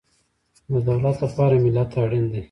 د دولت لپاره ملت اړین دی